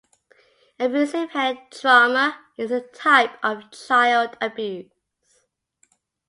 Abusive head trauma is a type of child abuse.